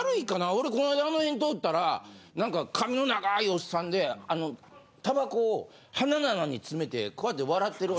俺この間あの辺通ったら何か髪の長いオッサンでタバコを鼻の穴に詰めてこうやって笑ってる。